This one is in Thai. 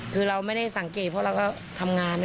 คือเราไม่ได้สังเกตเพราะเราก็ทำงาน